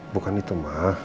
bukan itu mah